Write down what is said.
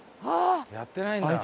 やってないんだ。